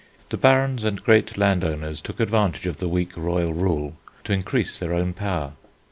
The barons and great landowners took advantage of the weak royal rule to increase their own power.